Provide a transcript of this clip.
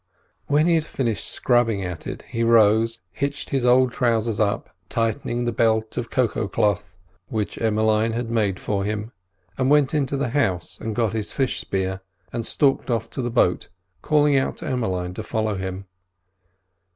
When he had finished scrubbing at it, he rose, hitched his old trousers up, tightened the belt of cocoa cloth which Emmeline had made for him, went into the house and got his fish spear, and stalked off to the boat, calling out to Emmeline to follow him.